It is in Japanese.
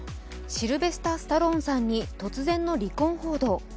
シルベスター・スタローンさんに突然の離婚報道。